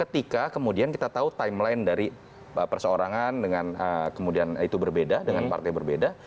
tidak maju ketika kita tahu timeline dari perseorangan dengan partai berbeda